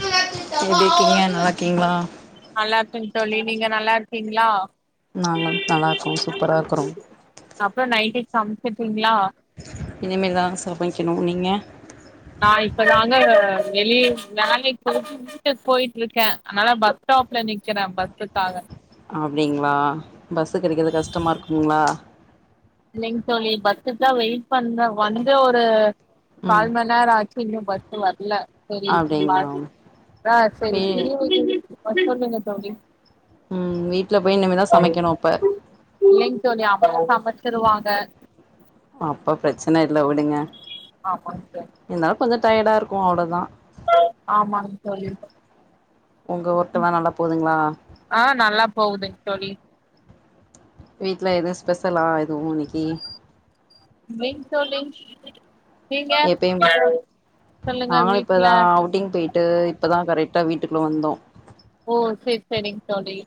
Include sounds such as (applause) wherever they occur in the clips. எப்டி இருக்கீங்க நல்லாருக்கீங்ளா நல்லா இருக்க தோழி நீங்க நல்லாருக்கீங்ளா நாங்களு நல்லாருக்கோ சூப்பரா இருக்கறோ அப்பற நைட்டுக்கு சமச்சிருப்பீங்ளா இனிமேல்தா சமைக்கணு நீங்க நா இப்ப தாங்க வெளிய வேலைக்கு போயிட்டு வீட்டுக்கு போயிட்ருக்கே அதனால பஸ் ஸ்டாப்ல நிக்கிறே பஸ்சுக்காக அப்டிங்ளா பஸ்சுக்கு நிக்கிறது கஷ்டமா இருக்குங்ளா இல்லைங் தோழி பஸ்சுக்தா வெயிட் பண்ற வந்து ஒரு ம் கால் மண்நேரோ ஆ ச்சு இன்னொ பஸ்சு வர்ல செரி வா அப்டிங்களா தா செரி வீ பிரிவு (inaudible) ஆ சொல்லுங்க தோழி ம் வீட்ல போய் இனிமே தா சமைக்கணு அப்ப ஏங் தோழி அவுங்க சமச்சிருவாங்க அப்ப ப்ரெச்சன இல்ல விடுங்க ஆமாங் தோழி என்ன கொஞ்சோ டயர்டாருக்கு அவ்ளோதா ஆமாங் தோழி ஒங்க ஒர்கெல்லா நல்லா போதுங்ளா ஆ நல்லா போகுதுங் தோழி வீட்ல எதுவு ஸ்பெஷலா எதுவு இன்னைக்கி இல்லைங் தோழி நீங்க எப்பயும் சொல்லுங்க நாங்களு வீட்ல இப்பதா அவுட்டிங் போய் ட்டு இப்பதா கரெக்டா வீட்டுக்குள்ள வந்தோ ஓ செரி செரிங் தோழி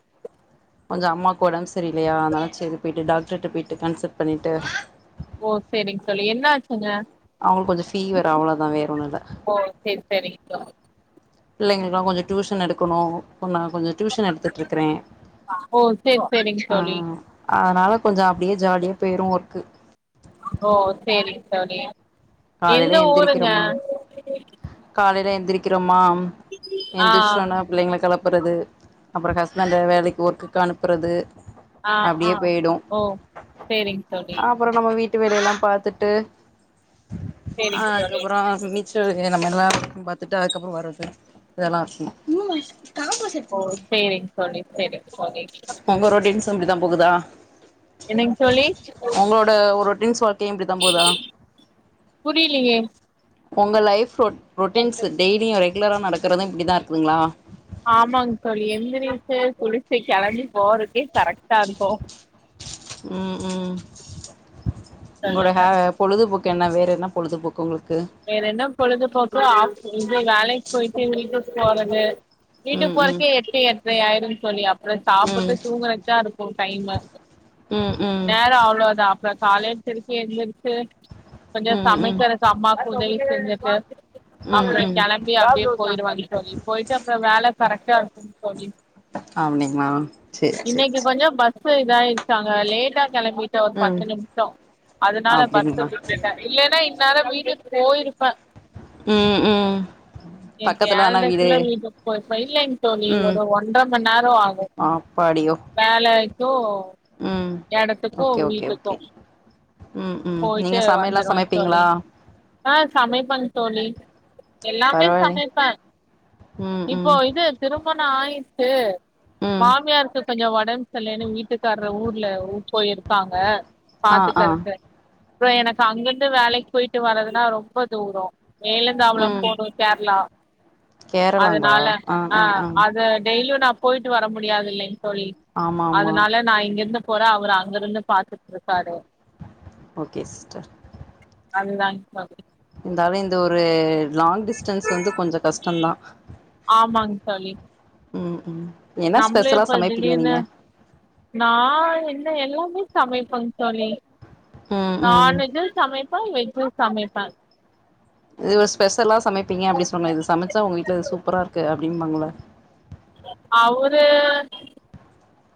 கொஞ்சோ அம்மாக்கு ஒடம்பு சரியில்லையா அதனால செரி போய்ட்டு டாக்டர்ட போயிட்டு கன்சல்ட் பண்ணிட்டு ஓ சேரிங் தோழி என்ன ஆச்சுங்க அவுங்களுக்கு கொஞ்சோ ஃபீவர் அவ்ளோதா வேற ஒன்னுல்ல ஓ செரி செரிங் தோழி பிள்ளைங்களுக்குலா கொஞ்சோ டியூஷன் எடுக்கணு பொன் நா கொஞ்ச டியூஷன் எடுத்துட்டுருக்குறே ஓ சேரி சேரிங் ஆ தோழி அதனால கொஞ்ச அப்டியே ஜாலியா போயிரு வொர்க்கு ஓ செரிங் தோழி எந்த ஊருங்க காலேல எந்திரிக்கிறோமா அம் ஆ எந்திரிஷோனப் பிள்ளைங்கள கெளப்புறது அப்பறோ ஹஸ்பண்ட வேலைக்கு ஒர்க்குக்கு அனுப்புறது ஆஹ் ஆ அப்டியே ஓ சேரிங் தோழி அப்பறோ நம்ம வீட்டு வேலயெல்லா பாத்துட்டு சேரிங் தோழி அதுக்கப்பறோ மிச்ச வேறமெல்லாம் பாத்துட்டு அதுக்கப்பறோ வர்றது இதெல்லா ம் ஓ சேரிங்க தோழி செரிங்க தோழி உங்க ரொட்டின்ஸ் அப்டித்தா போகுதா என்னங் தோழி உங்களோட ஒரு ரொட்ரின்ஸ் வாழ்க்கயு இப்டி தா போதா புரியிலேயே உங்க லைஃப் ரொ ரொட்டீன்ஸ் டெய்லியு ரெகுலராக நடக்கறது இப்டிதா இருக்குதுங்களா ஆமாங் தோழி எந்திரிச்சு குளிச்ட்டு கெளம்பி போறக்கே கரெக்ட்டாருக்கு ம் ம் உங்களோட சொல்லுங்க ஹேப் பொழுதுபோக்கு என்ன வேறு என்ன பொழுதுபோக்கு உங்களுக்கு வேறென்ன பொழுதுபோக்கு ஆஃப் இது வேலை போயிட்டு வீட்டுக்கு போறது வீட்டுக்கு ம் ம் போறக்கே எட்டு எட்ரை ஆயிரு தோழி அப் சாப்பிட்டு ம் தூங்கிறக்தா இருக்கு டைமு ம் ம் நேரோ அவ்ளோ தா அப்றோ காலேல திருப்பி எந்திருச்சு கொஞ்ச ம் சமைக்கிறக்கு அம்மாக்கு உதவி செஞ்சிட்டு ம் அப்றோ ம் ம் கெளம்பி அப்டியே போயிடுவேன் தோழி போயிட்டு அப்றோ வேல கரெக்டா இருக்கு தோழி அப்டீங்ளா இன்னிக்கு கொஞ்சோ பஸ்சு இதாயிருச்சாங்க லேட்டா கெளம்பி டோ ஒரு ம் பத்து நிமிஷோ அதனால பஸ்ச அப்டிங்களா விட்டுட்டே இல்லன்னா இன்னேரோ வீட்டுக்கு போயிருப்பே ம் ம் நேத்து பக்கத்துல தானா வீடு ஏழ்றக்குள்ள வீட்டுக்கு போயிருப்ப இல்லிங் தோழி ம் ஒரு ஒன்றர மணி நேரோ ஆகு அப்பாடியோ வேலைக்கு ம் எடத்துக்கு ஓகே ஓகே வீட்டுக்கு ஓகே ம் ம் நீங்க போயிட்டு சமையல் எல்லா வந்துருவே தோழி சமைப்பீங்ளா ஆ சமைப்பேங்க தோழி எல்லாமே பரவாயில்லை சமைப்பே ம் ம் திருமண ஆயிடுச்சு ம் மாமியாருக்கு கொஞ்சோ ஒடம்பு சறியில்லன்னு வீட்டுக்காரரு ஊர் ல ஊர் போயிருக்காங்க ஆ ஆ பாத்துக்கறக்கு அப்றோ எனக்கு அங்கிருந்து வேலைக்கு போயிட்டு வரதுன்னா ரொம்ப தூரோ வேலந்தாவலோ ம் போணு கேர்ளா அதனால ஆ அது டெய்லியு நா போயிட்டு வர முடியாது இல்லிங்க தோழி ஆமா ஆமா அதனால நா இங்கிருந்து போற அவரு அங்க இருந்து பாத்துட்டு இருக்காரு ஓகே சிஸ்டர் அதுதாங் தோழி இருந்தாலு இந்த ஒரு லாங் டிஸ்டன்ஸ் வந்து கொஞ்சோ கஷ்டந்தா ஆமாங் தோழி ம் ம் என்ன நம்மளே ஸ்பெஷலா இப்ப சமைப்பீங்க திடீர்னு நீங்க நா என்ன எல்லாமே சமைப்பங் தோழி ம் ம் நான்வெஜ்சு சமைப்ப வெஜ்சு சமைப்ப இது ஒரு ஸ்பெஷலா சமைப்பீங்க அப்டி சொன்ன இது சமச்சா உங்க வீட்ல இது சூப்பரா இருக்கு அப்டின்னுபாங்கள அவரு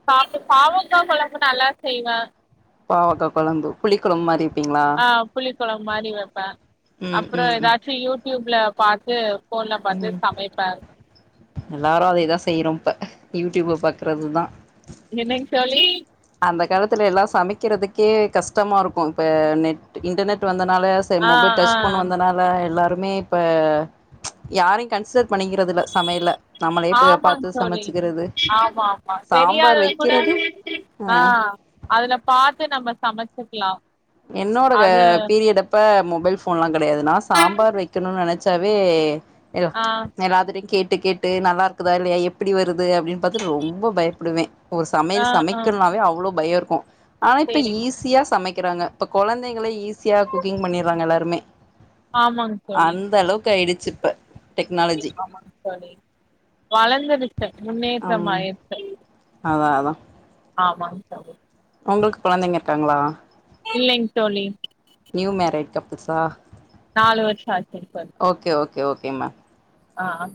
பாக் பாவக்கா கொழம்பு நல்லா செய்வ பாவக்கா கொழம்பு புளி கொழம்பு மாரி வெப்பீங்ளா நா புளி கொழம்பு மாரி வைப்ப ம் அப்றோ ம் ம் எதாச்சு யூடியூப்ல பாத்து ஃபோன்ல பாத்து ம் சமைப்பே எல்லாரு அதேதா செய்யறோ இப்ப யூடியூப் பாக்கறதுதா என்னங் தோழி அந்த காலத்துல எல்லா சமைக்கிறதுக்கே கஷ்டமா இருக்கு இப்ப நெட் இன்டர்நெட் வந்தனால ஆ மொபைல் ஆ டச் பண்ண வந்தனா ல எல்லாருமே இப்ப யாரையு கன்சிடர் பண்ணிக்கிறது இல்ல சமையல்ல ஆமாங் தோழி ஆமா ஆமா சாம்பார் தெரியாதத கூட வெக்கிறது ஆ அதுல பாத்து நம்ம சமச்சுக்கலா என்னோட பீரியடப்ப மொபைல் ஃபோன்லா கெடையாது நா சாம்பார் வை வைக்கணுனு நெனச்சாவே ஆ எல்லாத்து கிட்டயு கேட் கேட்டு கேட்டு நல்லா இருக்குதா இல்லியா எப்டி வருது அப்டின்னு பாத்துட்டு ரொம்ப பயப்படுவே ஒரு ஆ சமையல் ஆ சமைக்கணுனாவே அவ்ளோ பயோ இருக்கு ஆனா இப்ப சேரிங்க ஈஸியா சமைக்கிறாங்க இப்ப கொழந்தைங்களே ஈஸியா குக்கிங் பண்ணிறாங்க எல்லாருமே ஆமாங்க தோழி அந்த அளவுக்கு ஆயிடுச்சு இப்ப டெக்னாலஜி ஆமாங்க தோழி வளந்துருச்சு ம் முன்னேற்றமாயிருச்சு அதா அதா ஆமாங்க தோழி உங்களுக்கு குழந்தைங்க இருக்காங்களா இல்லைங் தோழி நியூ மேரேட் கப்புள்ஸா நாலு வருஷோ ஆச்சுங்க தோழி ஓகே ஓகே ஓகேம்மா ஆ ஆ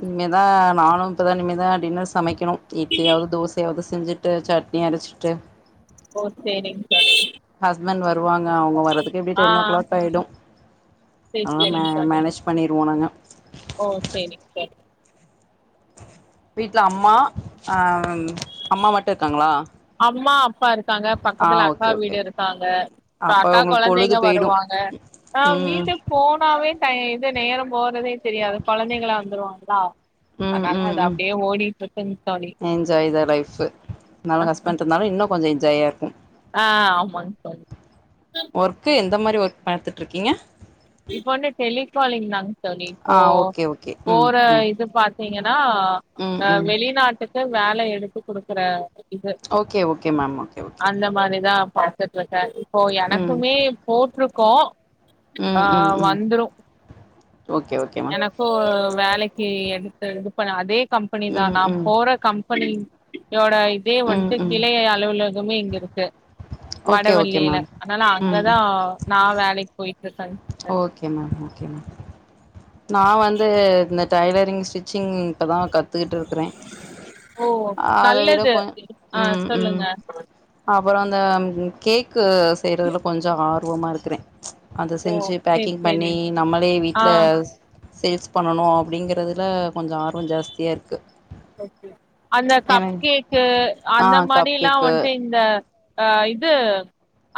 இனிமேதா நானு இப்பதா நிமேதா டின்னர் சமைக்கணு இட்லியாவது தோசையாவது செஞ்சு சட்னி அரைச்சிட்டு ஓ சேரிங் தோழி ஹஸ்பண்ட் வருவாங்க அவங்க வர்ரதுக்கு எப்படியு ஆ டென் ஓ கிளாக் ஆயிடு சேரி அதா மே சேரிங்க தோழி மேனேஜ் பண்ணிருவோ நாங்க ஓ சரிங் சார் வீட்ல அம்மா அ ம் அம்மா மட்டு இருக்காங்களா அம்மா அப்பா இருக் க்காங்க ஆ பக்கத்துல அக்கா ஓகே ஓகே வீடு ஓகே இருக்காங்க அப்ப அக்கா உங்களுக்கு பொழுது கொழந்தைங்க போயிடு வருவாங்க ஆ ம் வீட்டுக்கு போனாவே டை இது நேரோ போறதே தெரியாது கொழந்தைங்களா வந்துருவாங்களா ம் ம் நல்லது ம் அப்டியே ஓடிட்ருக்குங் தோழி என்ஜாய் தா லைஃபு நல்ல ஹஸ்பண்டு இருந்தாலு இன்னு கொஞ்சோ என்ஜாயா இருக்கு ஆ ஆ ஆமாங்க தோழி ஒர்க்கு எந்த மாரி ஒர்க் பாத்துட்ருக்கீங்க இப்ப வந்து டெலிகாலிங் தாங்க தோழி இப்போ ஆ ஓகே ஓகே ம் போற ம் இது பாத் த்தீங்கன்னா ம் அ ம் வெளிநாட்டுக்கு வேல எடுத்து குடுக்குற இது okay okay ma'am okay okay அந்த மாரிதா பா பாத்துட்ருக்க இப்போ ம் எனக்குமே போட்ருக்கோ ஆ ம் ம் ம் வந்துரு ஓகே ஓகே எனக்கு வேலைக்கு எடுத்து இது பண்ண அதே கம்பெனி தா ம் நா ம் போற கம்பெனி யோட இதே ம் வந்ட்டு ம் கிளையே அலுவலகமே இங்க இருக்கு ஓகே ஓகே வடவள்ளியில மேம் அதனால ம் அங்கதா நா வேலைக்கு போயிட்ருக்கன் ஓகே மேம் ஓகே மேம் நா வந்து இந்த டைலரிங் ஸ்டிச்சிங் இப்பதா கத்துகிட்ருக்குறே ஓ அத விட நல்லது கொஞ் ஆ ம் ம் சொல்லுங்க அப்பற அந்த கேக்கு செய்யறதுல கொஞ்ச ஆர்வமா இருக்குறே ச் அத ஓ செஞ்சு சேரி பேக்கிங் சேரி பண்ணி நம்மளே ஆ வீட்ல சேல்ஸ் பண்ணணு அப்படிங்கிறதுல கொஞ்சோ ஆர்வோ ஜாஸ்தியா இருக்கு அந்த கப் எனக்கு கேக்கு ஆ அந்த கப் மாரில்லா கேக்கு வந்துட்டு இந்த அ இது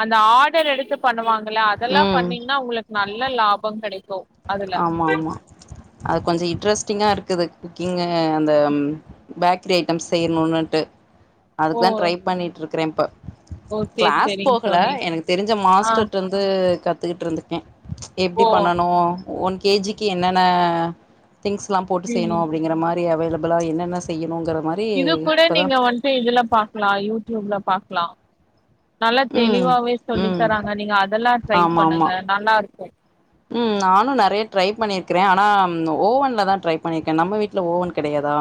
அந்த ஆர்டர் எடுத்து பண்ணுவாங்கள அதெல்லா ம் பண்ணீங்கன்னா உங்களுக் நல்ல லாப கெடைக்கு அதுல ஆமா ஆமா அது கொஞ்ச இன்ட்ரெஸ்ட்டிங்கா இருக்குது குக்கிங்கு அந்த ம் பேக்கரி ஐட்டம்ஸ் செய்யணுனுட்டு ஓ அதுக்கு தா ட்ரை பண்ணிட்ருக்குறே இப்ப ஓ சேரி கிளாஸ் சேரிங்க போகல தோழி எனக்கு தெரிஞ்ச ஆ மாஸ்டர்ட இ ருந்து கத்துக்கிட்டு இருந்துருக்கேன் எப்டி ஓ பண்ணணு ஒன் கேஜிக்கு என்னென்ன திங்ஸ்லாம் போட்டு ம் செய்யணும் அப்டிங்கிற மாரி அவைலபள் பளா என்னென்ன செய்யணும்ங்கற மாரி இது கூட இப்பதா நீங்க வன்ட்டு இதுல பாக்கலாம் யூடியூப்ல பாக்கலாம் நல்லா ம் தெளிவாவே சொல்லி ம் தராங்க நீங்க அதெல்லாம் ட்ரை ஆமா பண்ணுங்க ஆமா நல்லாருக்கும் ம் நானும் நெறைய ட்ரை பண்ணியிருக்குறேன் ஆனா ஓவன்ல தான் ட்ரை பண்ணியிருக்கேன் நம்ம வீட்ல ஓவன் கிடையாதா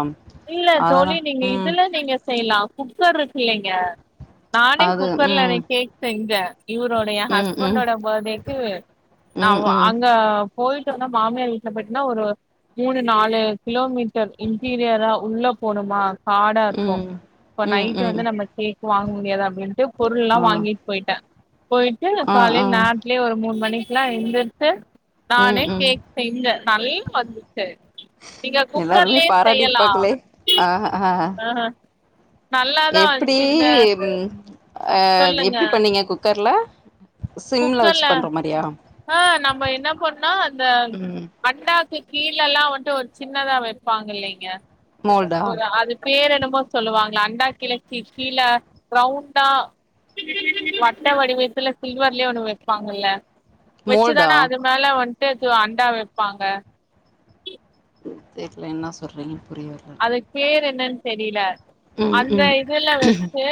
இல்ல தோழி நீங்க இதுல நீங்க செய்யலாம் குக்கர் இருக்கு இல்லைங்க நானே அது குக்கர்ல ம் அன்னிக்கு கேக் செஞ்சேன் இவரோட என் ம் ம் ஹஸ்பண்டோட பர்த்டேக்கு ம் அவ் அங்க போய்ட்டோம்னா மாமியார் வீட்ல போய்ட்டுனா ஒரு மூணு நாலு கிலோமீட்டர் இன்டீரியரா உள்ள போணோமா ஹாடா இருக்கும் ம் இப்ப ம் ம் நைட் ம் வந்து நம்ம கேக் வாங்க முடியாது அப்டின்ட்டு பொருள் ஆ எல்லாம் வாங்கிட் போயிட்டேன் போய்ட்டு ஆ ஆ காலைல் நேரத்துலயே ஒரு மூணு மணிக்குலாம் எழுந்திரிச்சு நானே ம் ம் கேக் செஞ்சன் நல்லா வந்துச்சு நீங்க குக்கர்லயே செய்யலாம் ஆஹ் ஆஹ அ எப்டி ம் அ சொல்லுங்க எப்டி பண்ணீங்க குக்கர்ல சிம்ல வச்சு குக்கர்ல பண்ற மாரியா ஆ நம்ம என்ன பண்ணா அந்த ம் அண்டாக்கு கீழல்லாம் வன்ட்டு ஒரு சின்னதா வைப்பாங்க இல்லைங்க மோல்டா ஒரு அது பேர் என்னமோ சொல்லுவாங்களா அண்டா கீழ கி கீள ரவுண்டா வட்ட வடிவத்துல சில்வர் கீழே ஒண்ணு வைப்பாங்கல்ல மோல்டா வச்சுதானா அது மேல வன்ட்டு சொ அண்டா வைப்பாங்க தெர்ல என்னா சொல்றீங்கன்னு புரியல இது பேர் என்னன்னு தெரில ம் அந்த ம் இதுல வச்சு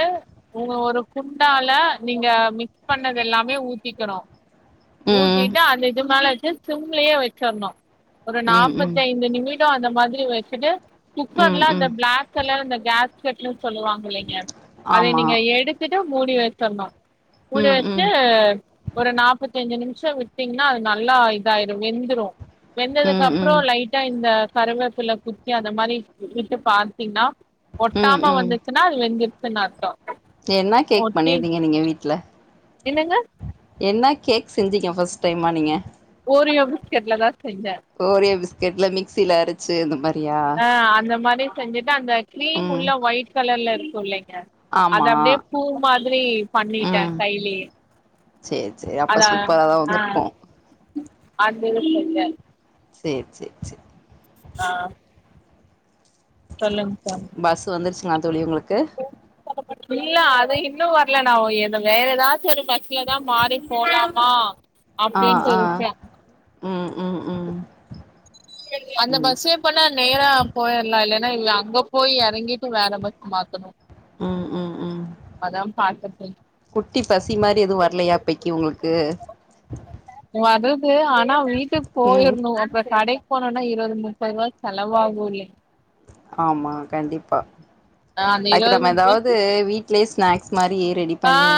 உங்க ஒரு குண்டால நீங்க மிக்ஸ் பண்ணது எல்லாமே ஊத்திக்கனும் ம் ஊத்தீட்டு அந்த இது மேல வச்சு சிம்லயே வச்சரணும் ஒரு ம் ம் நாப்பத்தி ஐந்து நிமி ஷம் அந்த மாதிரி வச்சுட்டு குக்கர்ல ம் அந்த ம் பிளாக் கலர்ல அந்த கேஸ் கட்ன்னு சொல்லுவாங் இல்லைங்க அத ஆமா நீங்க எடுத்துட்டு மூடி வச்சரனும் மூடி ம் வச்ட்டு ம் ஒரு நாப்பத்தஞ்சு நிமிசோ விட்டீங்கன்னா அது நல்லா இதாயிரும் வெந்துரும் வெந்ததுக்கு ம் அப்பறோ ம் லைட்டா இந்த கருவேப்புள்ள குத்தி அந்த மாரி வி விட்டு பாத்தீங்ன்னா ம் ஒட்டாம ம் வந்துச்சுன்னா அது வெஞ்சிருச்சுன்னு அர்த்தோ என்ன கேக் ஒட்டி பண்ணியிருதீங்க நீங்க வீட்ல என்னங்க என்னா கேக் செஞ்சீங்க ஃபஸ்ட் டைமா நீங்க ஓரியோ பிஸ்கெட்லதான் செஞ்சே ஓரியோ பிஸ்கட்ல மிக்ஸில அரச்சு இந்த மாரியா ஆ அந்த மாரி செஞ்சுட்டு அந்த கிரீம் ம் உள்ள ஒயிட் கலர்ல இருக்கு இல்லைங்க அத ஆமா அப்டியே பூ மாதிரி பண்ணிட்டேன் கைலயே சேர் சேரி அப்போ சூப்பரா தான் வந்திருக்கும் அந்த வெளிய இருக்க சேர் சேர் சேர் அ ஆ சொல்லுங்க சார் பஸ் வந்துருச்சுங்களா தோழி உங்களுக்கு இல்ல அது இன்னும் வரல நா ஏது வேற ஏதாச்சும் ஒரு பஸ்லதான் மாறி போலாமா ஆ அப்டின்ட்டு ஆ இருக்கே ம் ம் ம் அந்த ம் பஸ்ஸு இப்பலா நேரா போயிரலா இல்லன்னா இல் அங்க போய் எறங்கிட்டு வேற பஸ் மாத்தணு ம் ம் ம் அதாம் பாத்துட்டுருந் குட்டி பசி மாரி எதுவு வர்லையா இப்பக்கி உங்களுக்கு வருது ஆனா வீட்டுக்கு ம் போயிருணு அப்ற கடைக் போனோனா இருவது முப்பது ரூவா செலவாகுல்லைங் ஆமா கண்டிப்பா ஆ அந்த அதுக்கு இருவது நம்ம முப்ப எதாவ்து வீட்லயே ஸ்நாக்ஸ் மாரி ரெடி ஆ பண்ணி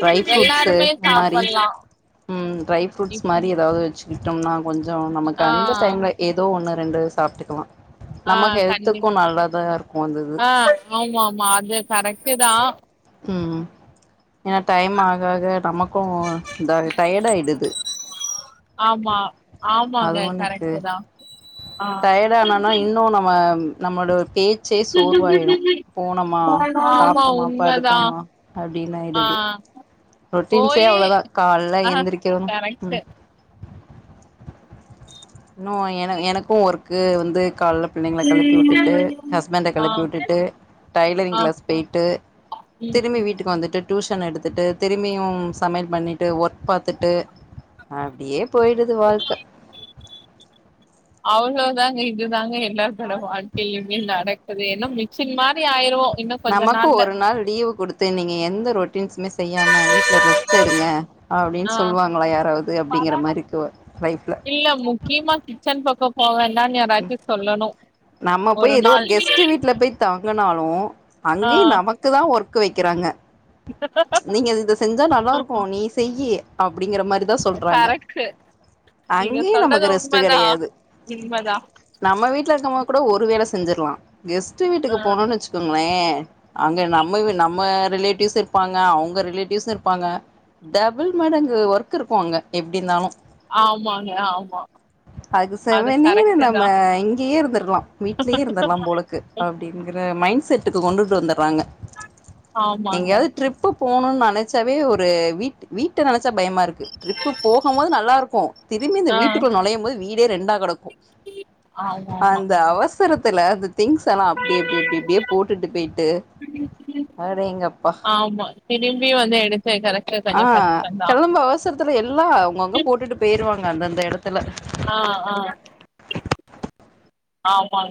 ட்ரை ஃப்ரூட்ஸ் எல்லாருமே இந் மாரி சாப்பல்லா ம் ட்ரை ஃப்ருட்ஸ் மாரி எதாவ்து வெச்சு விட்டோம்னா கொஞ்சொ நமக்கு ஆ அந்த டைம்ல ஏதோ ஒன்னு ரெண்டு சாப்ட்டுக்குலா ஆ நம்ம ஹெல்த்துக்கு நல்லதா இருக்கு அந்த இது ஆமாமா அது கரெக்ட்டுதா ம் ஏனா டைம் ஆக ஆக நமக்கு இதா டயர்ட் ஆயிடுது ஆமா ஆமாங்க அது கரெக்ட்டுதா ஆ இதானனா இன்னு நம்ம நம்மோட ஒரு பேச் சே சோர்வாயிடு போனோமா ஆமா சாப்ட்டோமா உண்மதா படுத்தமா அப்டின்னு ஆ ஆயிடுது ரொட்டின்ஸே போயி அவ்ளோதா கால்ல ஆ எந்திரிக்கனு ம் கரெக்ட்டு இன்னு என எனக்கு வொர்க்கு வந்து கால்ல பிள்ளைங்கள கெழப்பி வுட்டுட்டு ஹஸ்பண்ட ஆ கெழப்பி வுட்டுட்டு ஆ டைலரிங் கிளாஸ் போய்ட்டு ம் திரும்பி வீட்டுக்கு வந்துட்டு டியூஷன் எடுத்துட்டு திரும்பியு சமையல் பண்ணிட்டு ஒர்க் பாத்துட்டு அப்டியே போயிடுது வாழ்க்க அவ்ளோதாங்க இதுதாங்க எல்லாத்தோட வாழ்க்கையிலுமே நடக்குது என்ன மிச்சின் மாரி ஆயிருவோ இன்னு கொஞ்ச நமக்கு நாள்ல ஒரு நாள் லீவு குடுத்து நீங்க எந்த ரொட்டின்ஸுமே செய்யாம வீட்ல ரெஸ்ட் எடுங்க அப்டின் சொல்வாங்களா யாராவது ஆ அப்டிங்கிற மாரிக்கு லைஃப்ல இல்ல மு க்கீமா கிச்சன் பக்கொ போவேண்டான்னு யாரச்சு சொல்லணும் நம்ம ஒரு போய் ஏதோ நாள் கெஸ்ட் வீட்ல போய் தங்குனாலு ஆ அங்கயு நமக்குதா ஒர்க்கு வைக்கிறாங்க (unintelligible) நீங்க இதத செஞ்சா நல்லாருக்கு நீ செய்யி அப்டிங்குற மாரிதா சொல்றாங்க கரெக்ட்டு நீங்க அங்கேயு சொல்றது நமக்கு ரெஸ்ட் உண்மதா கெடையாது உண்மதா நம்ம வீட்ல இருக்கம்போது கூட ஒரு வேல செஞ்சிர்லா கெஸ்ட் ஆ வீட்டுக்கு போனோன் வெச்சுக் குங்ளே அங்க நம்ம வீ நம்ம ரிலேட்டிவ்ஸ் இருப்பாங்க அவங்க ரிலேட்டிவ்ஸ் இருப்பாங்க டபுள் மடங்கு ஒர்க் இருக்கு அங்க எப்டிருந்தாலு ஆமாங்க ஆமா அது கரெக்ட்டுதா அ இங்கேயே இருந்திருக்கலா வீட்லயே இருந்தர்லா போலக்கு அப்டிங்ற அ மைண்ட் செட்டுக்கு கொண்டுட்டு வந்தடுறாங்க ஆமாங்க எங்கேயாவது ட்ரிப் ப்பு போனுனு நெனைச்சாவே ஒரு வீட் வீட்ட நினச்சா பயமா இருக்கு ட்ரிப்பு போகும்போது நல்லாருக்கு திரும்பி இந்த ஆ வீட்டுக்குள்ள நுழையும் போது வீடே ரெண்டா கெடக்கு ஆமாமா அந்த அவசரத்துல அந்த திங்ஸ் எல்லா அப்டி எப்டி எப்டி அப்டியே போட்டுட்டு பொயிட்டு ஆமா திரும்பியு வந்து எடுத்து கரெக்ட்டா செஞ்சா கஷ்டந்தா த்துல எல்லா அவங்கவங்க போட்டுட்டு போயிருவாங்க அந்தந்த எடத்துல ஆ ஆ ஆமாங்